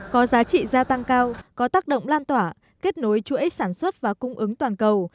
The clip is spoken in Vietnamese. có giá trị gia tăng cao có tác động lan tỏa kết nối chuỗi sản xuất và cung ứng toàn cầu